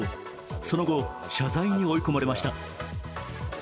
その後、謝罪に追い込まれました。